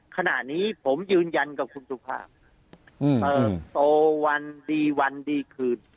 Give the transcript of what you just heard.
ขณะนี้ผมยืนยันกับคุณสุภาพเติบโตวันดีวันดีคืน